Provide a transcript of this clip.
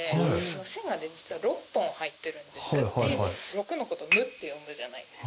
６のこと「む」って読むじゃないですか。